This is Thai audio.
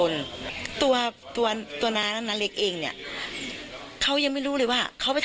แล้วพี่อ้อยพี่นาไน่เคยไปพูดจัดแขวะ